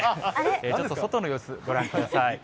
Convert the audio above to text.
ちょっと外の様子、ご覧ください。